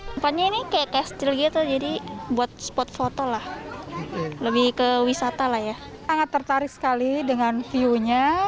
selain kastil kastil ada juga daya tarik lain yang tak kalah menariknya